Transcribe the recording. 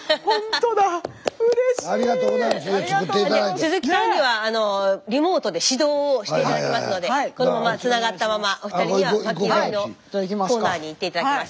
鈴木さんにはリモートで指導をして頂きますのでこのままつながったままお二人にはまき割りのコーナーに行って頂きます。